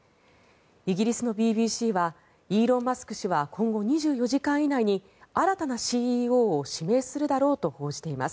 イギリスのＢＢＣはイーロン・マスク氏は今後２４時間以内に新たなＣＥＯを指名するだろうと報じています。